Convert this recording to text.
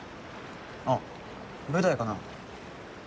あっ舞台かな。